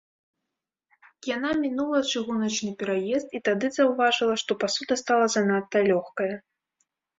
Яна мінула чыгуначны пераезд і тады заўважыла, што пасуда стала занадта лёгкая.